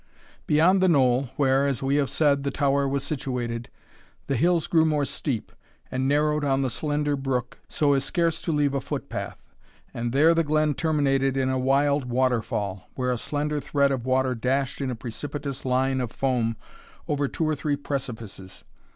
Beyond the knoll, where, as we have said, the tower was situated, the hills grew more steep, and narrowed on the slender brook, so as scarce to leave a footpath; and there the glen terminated in a wild waterfall, where a slender thread of water dashed in a precipitous line of foam over two or three precipices.